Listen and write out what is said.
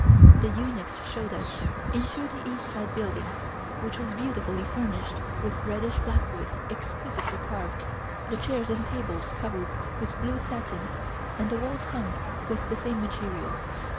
The eunuchs showed us into the east side building, which was beautifully furnished with reddish blackwood exquisitely carved, the chairs and tables covered with blue satin and the walls hung with the same material.